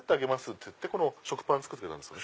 って言ってこの食パン作ってくれたんです。